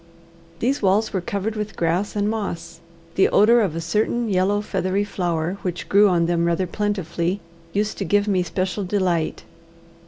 These walls were covered with grass and moss. The odour of a certain yellow feathery flower, which grew on them rather plentifully, used to give me special delight.